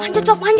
nah itu dia tuh